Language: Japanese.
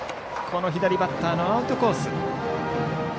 この左バッターのアウトコース。